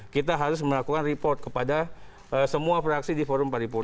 kita harus melakukan report kepada semua fraksi di forum paripurna